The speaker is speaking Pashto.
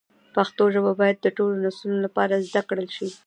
پښتو ژبه باید د ټولو نسلونو لپاره زده کړل شي.